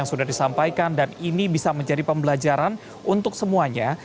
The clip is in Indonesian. sudah disampaikan dan ini bisa menjadi pembelajaran untuk semuanya